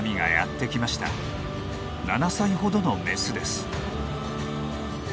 ７歳ほどのメスです。